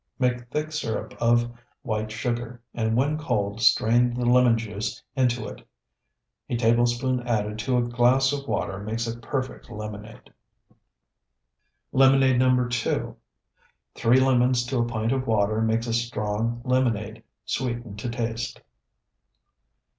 Make thick syrup of white sugar, and when cold strain the lemon juice into it. A tablespoonful added to a glass of water makes a perfect lemonade. LEMONADE NO. 2 Three lemons to a pint of water makes a strong lemonade. Sweeten to taste.